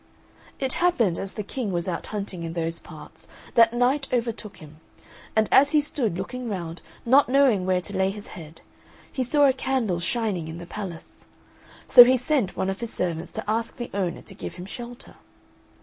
It happened, as the King was out hunting in those parts, that night overtook him, and as he stood looking round, not knowing where to lay his head, he saw a candle shining in the palace. So he sent one of his servants, to ask the owner to give him shelter.